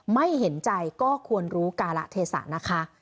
ไม่เห็นใจก็ควรรู้การะเทศะนะคะ